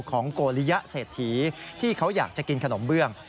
ของกโรยะเสถีที่เขาอยากจะกินขนมเบื้อง